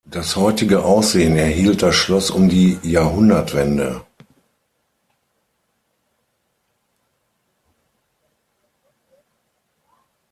Das heutige Aussehen erhielt das Schloss um die Jahrhundertwende.